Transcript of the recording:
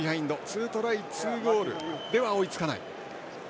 ２トライ、２ゴールでは追いつかない。